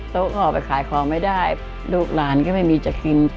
โต๊ะออกไปขายของไม่ได้ลูกหลานก็ไม่มีจัดขึ้น